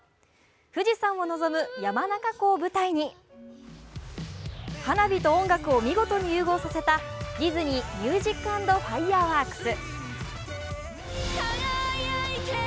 富士山を望む山中湖を舞台に花火と音楽を見事に融合させたディズニーミュージック＆ファイヤーワークス。